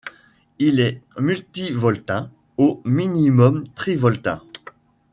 Il est multivoltin, au minimum trivoltin.